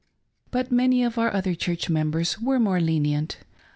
But many of our other church members were more lenient.